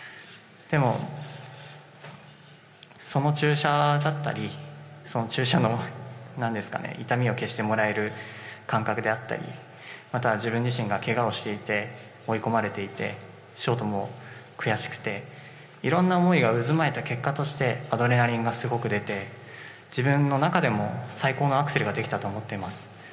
でも、その注射だったりその注射の痛みを消してもらえる感覚であったりまた自分自身がけがをしていて追い込まれていてショートも悔しくていろいろな思いが渦巻いた結果としてアドレナリンがすごく出て自分の中でも最高のアクセルができたと思っています。